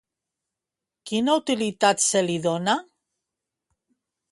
Quina utilitat se li dona?